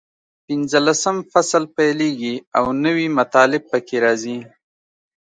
پینځلسم فصل پیلېږي او نوي مطالب پکې راځي.